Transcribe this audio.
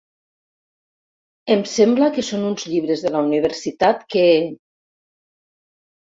Em sembla que són uns llibres de la universitat que...